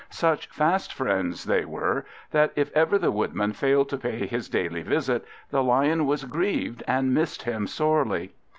Such fast friends they were that if ever the Woodman failed to pay his daily visit, the Lion was grieved and missed him sorely.